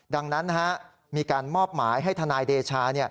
ดังนั้นมีการมอบหมายให้ทนายเดชา